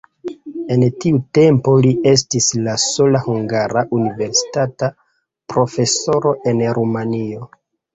En tiu tempo li estis la sola hungara universitata profesoro en Rumanio.